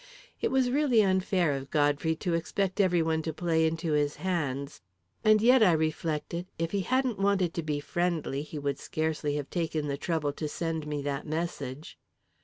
It was really unfair of Godfrey to expect every one to play into his hands. And yet, I reflected, if he hadn't wanted to be friendly, he would scarcely have taken the trouble to send me that message.